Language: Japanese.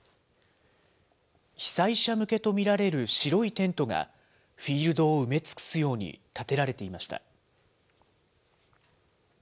被災者向けと見られる白いテントが、フィールドを埋め尽くすように立てられていました。